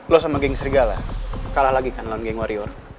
lo sama geng serigala kalah lagi kan lawan geng warior